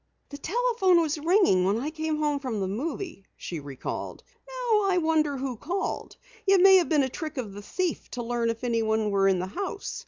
"The telephone was ringing when I came from the movie," she recalled. "Now I wonder who called? It may have been a trick of the thief to learn if anyone were in the house.